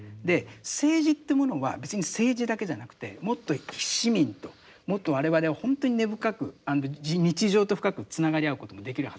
政治というものは別に政治だけじゃなくてもっと市民ともっと我々はほんとに根深く日常と深くつながり合うこともできるはずだ。